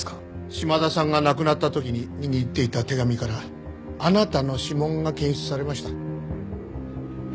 島田さんが亡くなった時に握っていた手紙からあなたの指紋が検出されました。